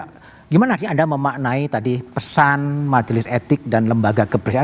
bagaimana sih anda memaknai tadi pesan majelis etik dan lembaga kebersihan